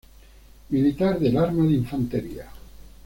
Militar del Arma de Infantería.